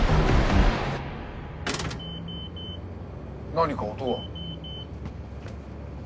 ・何か音が。